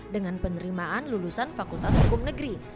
dengan penerimaan lulusan fakultas hukum negeri